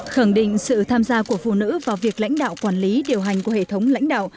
khẳng định sự tham gia của phụ nữ vào việc lãnh đạo quản lý điều hành của hệ thống lãnh đạo